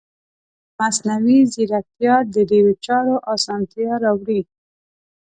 مصنوعي ځیرکتیا د ډیرو چارو اسانتیا راوړي.